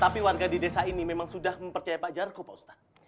tapi warga di desa ini memang sudah mempercaya pak jarko pak ustadz